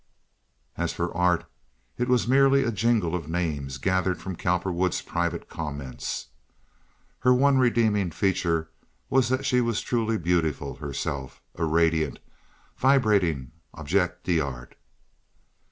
As for art, it was merely a jingle of names gathered from Cowperwood's private comments. Her one redeeming feature was that she was truly beautiful herself—a radiant, vibrating objet d'art.